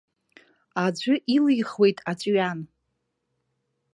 Аӡәы илихуеит аҵәҩан.